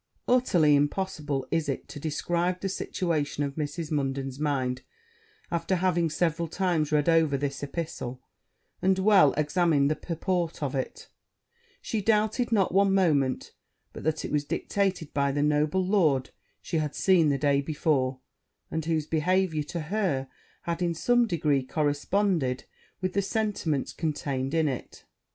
Utterly impossible is it to describe the situation of Mrs. Munden's mind, after having several times read over this epistle, and well examined the purport of it: she doubted not, one moment, but that it was dictated by the noble lord she had seen the day before, and whose behaviour to her had, in some degree, corresponded with the sentiments contained in it.